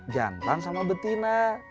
jantan sama betina